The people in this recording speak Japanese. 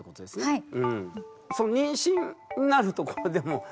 はい。